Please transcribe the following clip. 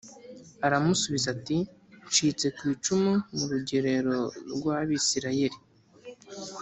Aramusubiza ati “Ncitse ku icumu mu rugerero rw’Abisirayeli”